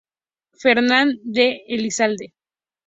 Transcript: Fernán de Elizalde.